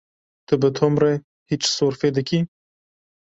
Tu bi Tom re hîç sorfê dikî?